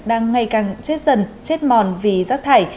đang ngày càng chết dần chết mòn vì rác thải